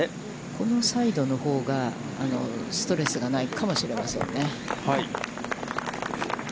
このサイドのほうが、ストレスがないかもしれませんね。